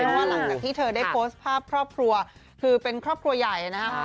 เพราะว่าหลังจากที่เธอได้โพสต์ภาพครอบครัวคือเป็นครอบครัวใหญ่นะฮะ